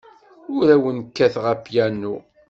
Ur awen-kkateɣ apyanu.